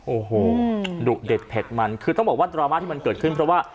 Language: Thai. โอ้โหดุเด็ดเผ็ดมันคือต้องบอกว่าดราม่าที่มันเกิดขึ้นเพราะว่า